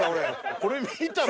これ見たら。